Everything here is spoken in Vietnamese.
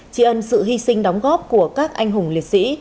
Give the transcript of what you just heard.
tri ân sự hy sinh đóng góp của các anh hùng liệt sĩ